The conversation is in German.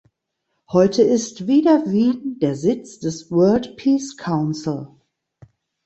Heute ist wieder Wien der Sitz des World Peace Council.